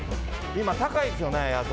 今、高いですよね、野菜。